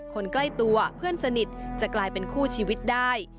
คนใกล้ตัวเพื่อนสนิทจะกลายเป็นคู่ชีวิตได้